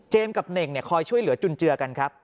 กับเน่งคอยช่วยเหลือจุนเจือกันครับ